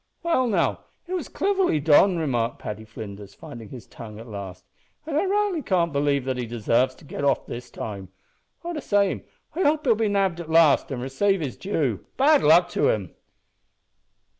"Well, now, it was cliverly done," remarked Paddy Flinders, finding his tongue at last; "an' I raly can't but feel that he desarves to git off this time. All the same I hope he'll be nabbed at last an' recaive his due bad luck to him!"